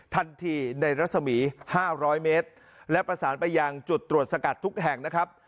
ทันทีในรัศมี๕๐๐เมตรและประสานไปยังจุดตรวจสกัดทุกแห่งนะครับ